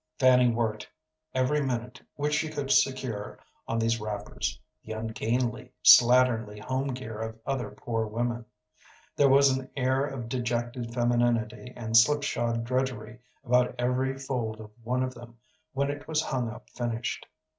Fanny worked every minute which she could secure on these wrappers the ungainly, slatternly home gear of other poor women. There was an air of dejected femininity and slipshod drudgery about every fold of one of them when it was hung up finished.